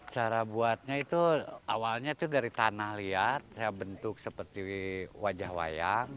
cara buatnya itu awalnya itu dari tanah liat saya bentuk seperti wajah wayang